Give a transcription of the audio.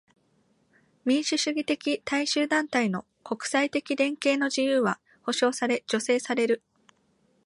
民主主義的大衆団体の国際的連携の自由は保障され助成される。